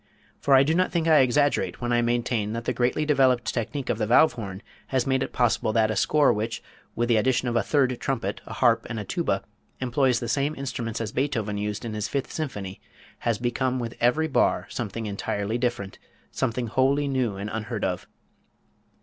For I do not think I exaggerate when I maintain that the greatly developed technique of the valve horn has made it possible that a score which, with the addition of a third trumpet, a harp and a tuba, employs the same instruments as Beethoven used in his Fifth Symphony, has become with every bar something entirely different, something wholly new and unheard of.